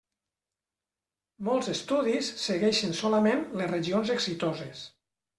Molts estudis segueixen solament les regions exitoses.